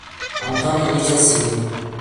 Antônio Luiz da Silva